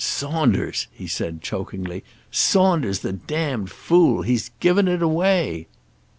"Saunders!" he said chokingly, "Saunders, the damned fool! He's given it away."